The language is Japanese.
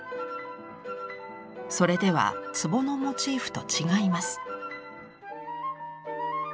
それでは壺のモチーフと違います。